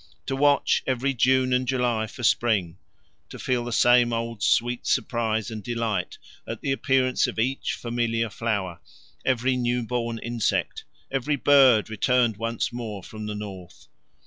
To watch every June and July for spring, to feel the same old sweet surprise and delight at the appearance of each familiar flower, every new born insect, every bird returned once more from the north.